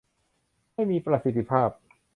ให้มีประสิทธิภาพ